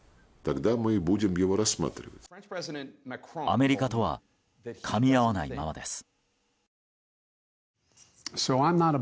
アメリカとはかみ合わないままです。